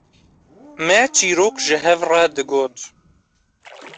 me çîrok ji hev re digot